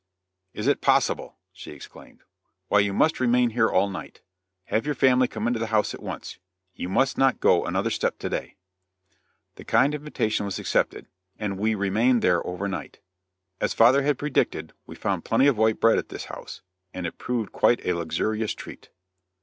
"Is it possible!" she exclaimed; "Why, you must remain here all night. Have your family come into the house at once. You must not go another step today." The kind invitation was accepted, and we remained there over night. As father had predicted, we found plenty of white bread at this house, and it proved quite a luxurious treat.